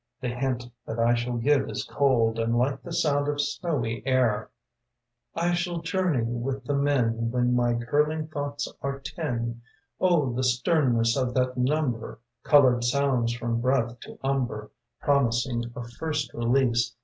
The hint that I shall give is cold And like the sound of snowy air. / shall journey with the men When my curling thoughts are ten. the sternness of that number! Colored sounds from breath to umber Promising a first release.